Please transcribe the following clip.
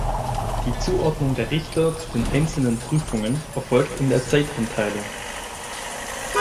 Die Zuordnung der Richter zu den einzelnen Prüfungen erfolgt in der Zeiteinteilung.